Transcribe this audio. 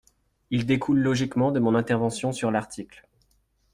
Il découle logiquement de mon intervention sur l’article.